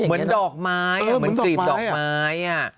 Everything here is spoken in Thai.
เหมือนดอกไม้อ่ะเหมือนกรีบดอกไม้อ่ะ